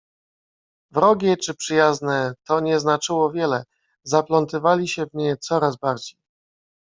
Wrogie czy przyjazne — to nie znaczyło wiele: zaplątywali się w nie coraz bardziej.